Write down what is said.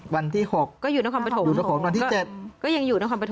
วันที่๖ก็อยู่นครปฐมอยู่นครวันที่๗ก็ยังอยู่นครปฐม